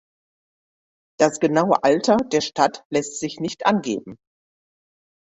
Das genaue Alter der Stadt lässt sich nicht angeben.